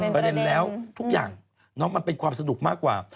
ประเด็นแล้วทุกอย่างมันเป็นความสนุกมากกว่า